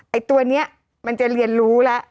ไอ้ตัวนี้มันจะเรียนรู้แล้ว